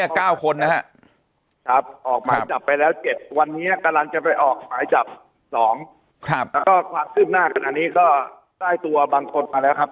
ออกหมายจับไป๗วันนี้จะไปออกหมายจับ๒แล้วก็เฉลี่ยหน้าก็ได้ตัวบางคน